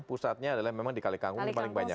pusatnya adalah memang di kalikanggung paling banyak